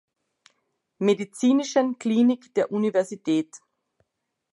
Medizinischen Klinik der Universität.